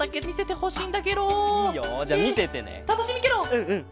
うんうん！